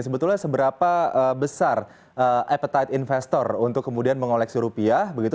sebetulnya seberapa besar appetite investor untuk kemudian mengoleksi rupiah begitu